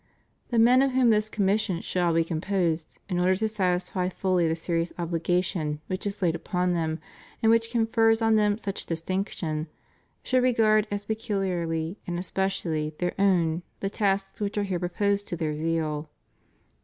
The men of whom this commission shall be composed, in order to satisfy fully the serious obligation which is laid upon them and which confers on them such distinc tion, should regard as peculiarly and especially their own the tasks which are here proposed to their zeal.